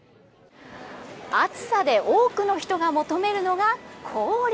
暑さで多くの人が求めるのが、氷！